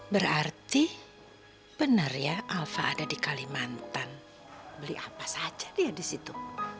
berarti benar ya alfa ada di kalimantan beli apa saja dia di situ